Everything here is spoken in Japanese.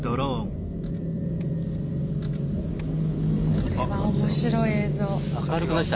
これは面白い映像。